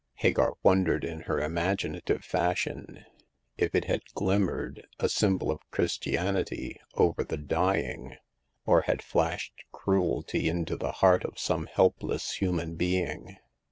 Hagar wondered in her imaginative fashion if it had glimmered, a symbol of Chris tianity over the dying, or had flashed cruelty into the heart of some helpless human being.